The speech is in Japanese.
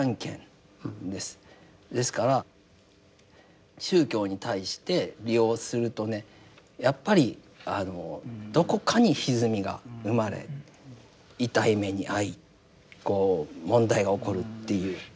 ですから宗教に対して利用するとねやっぱりどこかにひずみが生まれ痛い目に遭いこう問題が起こるっていう。